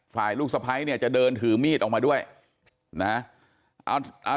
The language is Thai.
ลูกสะพ้ายเนี่ยจะเดินถือมีดออกมาด้วยนะ